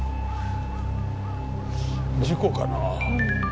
事故かな。